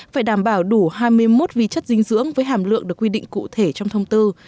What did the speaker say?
phải đảm bảo đủ hai mươi một vi chất dinh dưỡng với hàm lượng được quy định cụ thể trong thông tư